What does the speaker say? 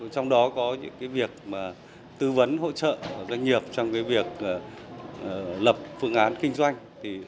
trong đó có những việc tư vấn hỗ trợ doanh nghiệp trong việc lập phương án kinh doanh